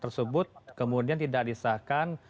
tersebut kemudian tidak disahkan